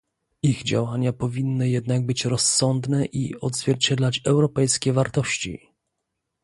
Ich działania powinny jednak być rozsądne i odzwierciedlać europejskie wartości